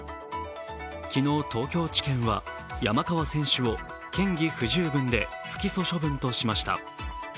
昨日、東京地検は山川選手を嫌疑不十分で不起訴処分としました。